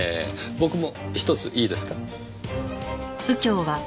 僕もひとついいですか。